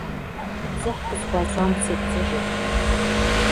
Дзыхь къысхуащӀам сепцӀыжыркъым.